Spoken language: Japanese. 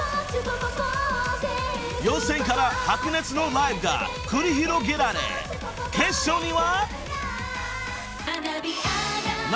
［予選から白熱のライブが繰り広げられ決勝には］